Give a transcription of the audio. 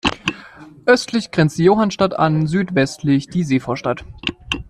Östlich grenzt die Johannstadt an, südwestlich die Seevorstadt.